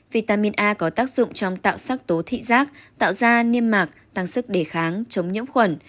vitamin a có tác dụng trong tạo sắc tố thị giác tạo ra niêm mạc tăng sức đề kháng chống nhiễm khuẩn